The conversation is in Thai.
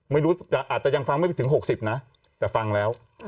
ไม่รู้อาจจะยังฟังไม่ไปถึง๖๐นะแต่ฟังแล้ว